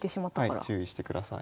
ここを注意してください。